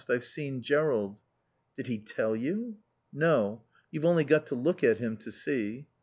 "I've seen Jerrold." "Did he tell you?" "No. You've only got to look at him to see."